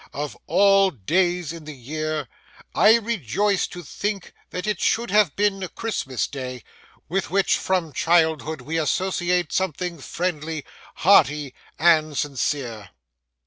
Of all days in the year I rejoice to think that it should have been Christmas Day, with which from childhood we associate something friendly, hearty, and sincere.